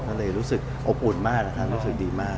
ก็เลยรู้สึกอบอุ่นมากรู้สึกดีมาก